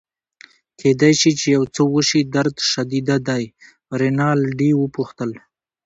کیدای شي چي یو څه وشي، درد شدید دی؟ رینالډي وپوښتل.